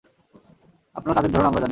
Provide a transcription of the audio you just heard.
আপনার কাজের ধরন আমরা জানি।